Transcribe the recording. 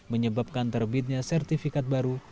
menyebabkan terbitnya sertifikat baru